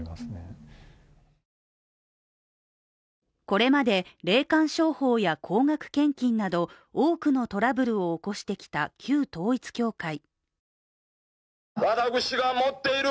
これまで霊感商法や高額献金など、多くのトラブルを起こしてきた旧統一教会。